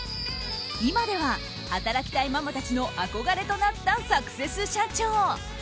今では働きたいママたちの憧れとなった、サクセス社長。